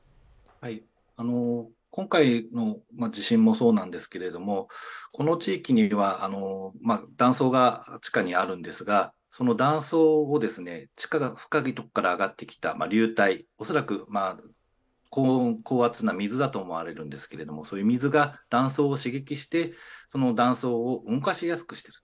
今回の地震もそうなんですが、この地域には断層が地下にあるんですが断層を地下深いところから上がってきた流体、恐らく高温高圧な水だと思われるんですけれども、水が断層を刺激して、その断層を動かしやすくしている。